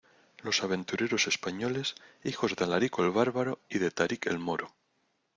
los aventureros españoles, hijos de Alarico el bárbaro y de Tarik el moro.